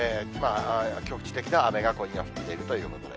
局地的な雨が、今夜降っているということで。